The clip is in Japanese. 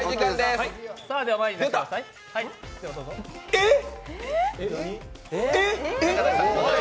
えっ？